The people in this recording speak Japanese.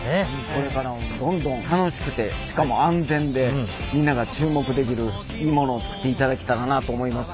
これからもどんどん楽しくてしかも安全でみんなが注目できるいいものを作っていただけたらなと思います。